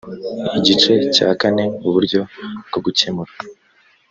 igice cya kane uburyo bwo gukemura